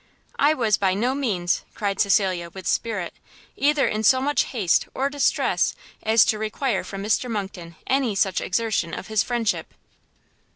"I was by no means," cried Cecilia, with spirit, "either in so much haste or distress as to require from Mr Monckton any such exertion of his friendship."